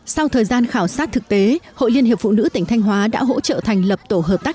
sau thời gian khảo sát thực tế hội liên hiệp phụ nữ tỉnh thanh hóa đã hỗ trợ thành lập tổ hợp tác